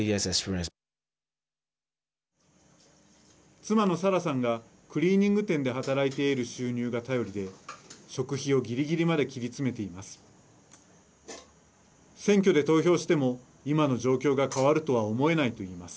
妻のサラさんがクリーニング店で働いている収入が頼りで食費をぎりぎりまで切り詰めています。